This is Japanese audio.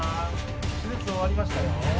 手術終わりましたよ